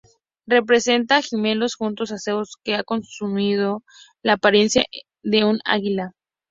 Representa a Ganímedes junto a Zeus, que ha asumido la apariencia de un águila.